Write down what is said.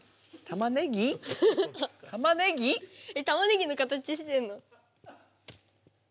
たまねぎの形してんの。